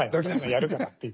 やるからっていう。